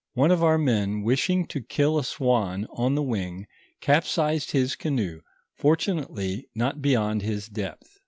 One of our men wishing to kill a swan on the wing, capsized his canoe, fortunately not beyond his depth.